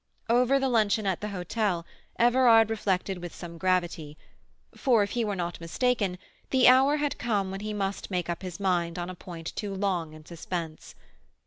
Over his luncheon at the hotel Everard reflected with some gravity, for, if he were not mistaken, the hour had come when he must make up his mind on a point too long in suspense.